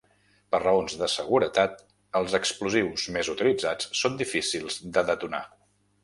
Per raons de seguretat, els explosius més utilitzats són difícils de detonar.